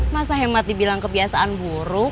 masa hemat dibilang kebiasaan buruk